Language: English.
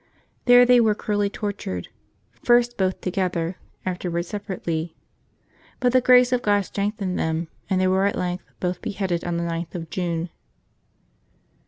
There they were cruelly tortured, first both to gether, afterward separately. But the grace of God strengthened them, and they were at length both beheaded on the 9th of June.